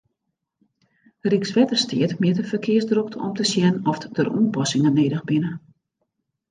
Rykswettersteat mjit de ferkearsdrokte om te sjen oft der oanpassingen nedich binne.